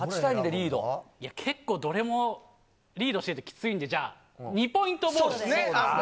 結構どれもリードしててきついのでじゃあ、２ポイントボールで。